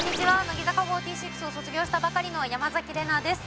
乃木坂４６を卒業したばかりの山崎怜奈です。